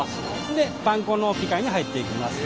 でパン粉の機械に入っていきます。